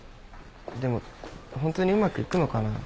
でもホントにうまくいくのかな？